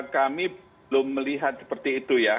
kami belum melihat seperti itu ya